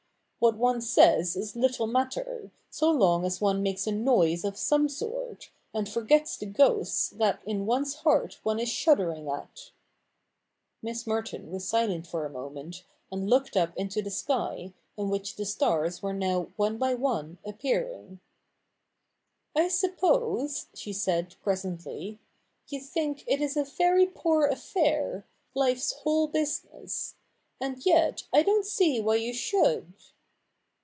What one says is little matter, so long as one makes a noise of some sort, and forgets the ghosts that in one's heart one is shuddering at.' Miss Merton was silent for a moment, and looked up into the sky, in which the stars were now one by one appearing. ' I suppose,' she said presently, ' you think it is a very poor affair — life's whole business. And yet I don't see why you should.'